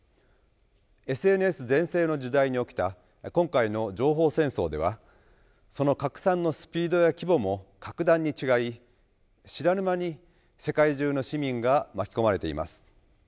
ＳＮＳ全盛の時代に起きた今回の情報戦争ではその拡散のスピードや規模も格段に違い知らぬ間に世界中の市民が巻き込まれています。